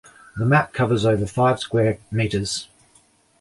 The map covers over five square meters.